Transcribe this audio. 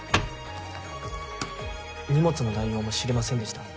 荷物の内容も知りませんでした。